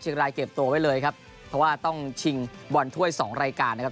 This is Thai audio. รายเก็บตัวไว้เลยครับเพราะว่าต้องชิงบอลถ้วยสองรายการนะครับ